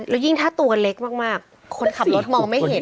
แล้วยิ่งถ้าตัวเล็กมากคนขับรถมองไม่เห็น